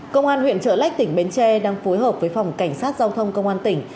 công an huyện trợ lách tỉnh bến tre đang phối hợp với phòng cảnh sát giao thông công an tỉnh